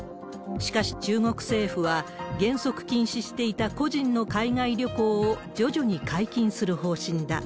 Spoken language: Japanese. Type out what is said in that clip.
しかし、中国政府は、原則禁止していた個人の海外旅行を徐々に解禁する方針だ。